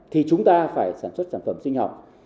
thì chúng ta phải sản xuất sản phẩm sinh học